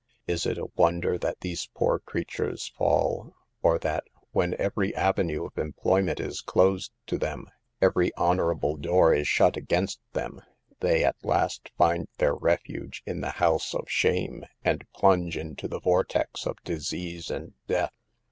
Is it a wonder that these poor creatures fall, or that, when every avenue of employment is closed to them, every honorable door is shut against them, they at last find their refuge in the house of shame, and plunge into the vortex of disease and death